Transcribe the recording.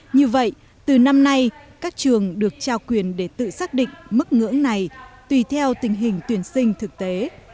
như vậy từ năm nay các trường được trao quyền để tự xác định mức ngưỡng này tùy theo tình hình tuyển sinh thực tế